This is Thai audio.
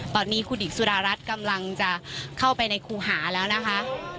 ตอนนี้ครูดิกสุดารัฐกำลังจะเข้าไปในครูหาแล้วนะคะ